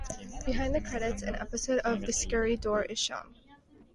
Behind the credits, an episode of "The Scary Door" is shown.